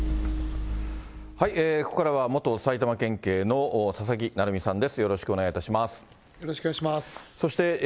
ここからは元埼玉県警の佐々木成三さんです。